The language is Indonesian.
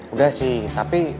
udah sih tapi